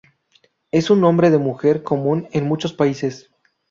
Es un nombre de mujer común en muchos países.